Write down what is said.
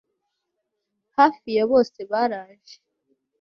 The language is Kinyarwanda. Hafi ya bose baraje